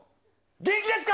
元気ですか？